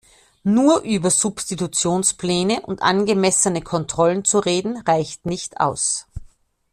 Nur über Substitutionspläne und angemessene Kontrollen zu reden reicht nicht aus.